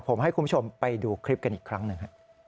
ผมให้คุณผู้ชมไปดูคลิปกันอีกครั้งหนึ่ง